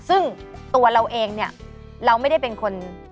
ซึ่งตัวเราเองเนี่ยเราไม่ได้เป็นคน